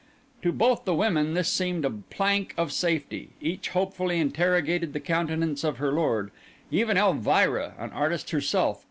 To both the women this seemed a plank of safety; each hopefully interrogated the countenance of her lord; even Elvira, an artist herself!